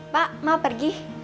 pak mau pergi